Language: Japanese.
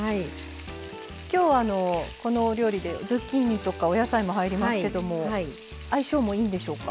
今日このお料理でズッキーニとかお野菜も入りますけども相性もいいんでしょうか？